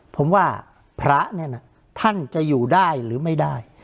ผมว่าพระเนี่ยนะท่านจะอยู่ได้หรือไม่ได้